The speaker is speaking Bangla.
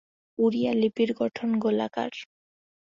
ওড়িয়া লিপির গঠন গোলাকার।